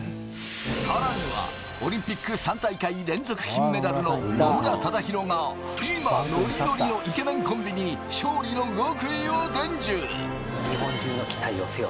さらにはオリンピック３大会連続金メダルの野村忠宏が、今、ノリノリのイケメンコンビに勝利の極意を伝授。